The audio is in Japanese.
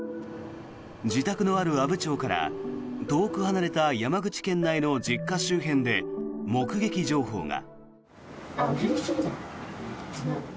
自宅のある阿武町から遠く離れた山口県内の実家周辺で目撃情報が。